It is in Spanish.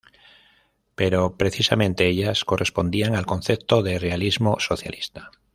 Pero precisamente ellas correspondían al concepto de realismo socialista.